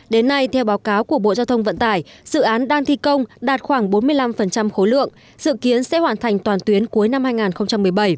đến nay theo báo cáo của bộ giao thông vận tải dự án đang thi công đạt khoảng bốn mươi năm khối lượng dự kiến sẽ hoàn thành toàn tuyến cuối năm hai nghìn một mươi bảy